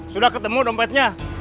sudah ketemu dompetnya